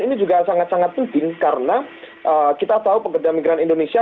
ini juga sangat sangat penting karena kita tahu pekerja migran indonesia